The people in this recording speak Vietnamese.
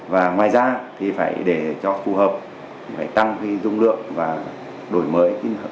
và ngoài ra thì phải để cho phù hợp phải tăng cái dung lượng và đổi mới